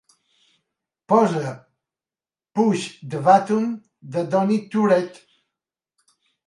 Posa "Push The Button", de Donny Tourette.